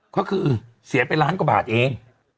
ก็คือเสียไปล้านกว่าบาทเอง